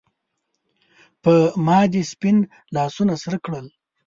پۀ ما دې سپین لاسونه سرۀ کړل